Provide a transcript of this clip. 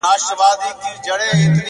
څو ماسومان د خپل استاد په هديره كي پراته.